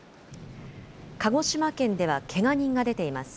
鹿児島県ではけが人が出ています。